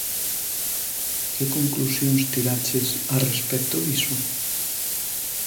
Que conclusións tiraches a respecto diso?